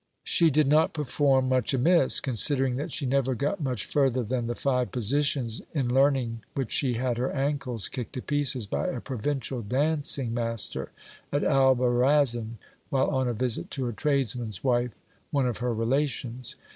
She did not perform much amiss, considering that she never got much further than the five positions, in learning which she had her ankles kicked to pieces by a provincial dancing master at Albarazin, while on a visit to a tradesman's wife, one of her relations.